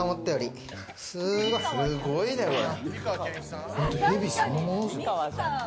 すごいね、これ。